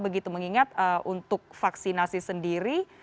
begitu mengingat untuk vaksinasi sendiri